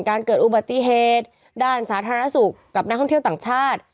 เกิดอุบัติเหตุด้านสาธารณสุขกับนักท่องเที่ยวต่างชาติ